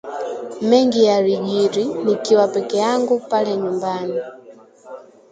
Mengi yalijiri nikiwa pekee yangu pale nyumbani